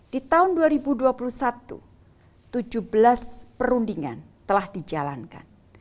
di tahun dua ribu dua puluh satu tujuh belas perundingan telah dijalankan